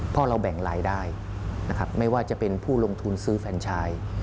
เพราะเราแบ่งรายได้นะครับไม่ว่าจะเป็นผู้ลงทุนซื้อแฟนชาย